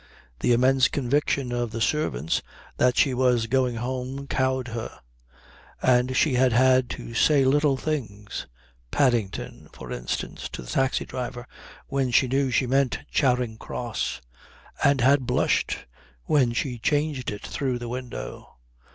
The immense conviction of the servants that she was going home cowed her. And she had had to say little things Paddington, for instance, to the taxi driver when she knew she meant Charing Cross, and had blushed when she changed it through the window.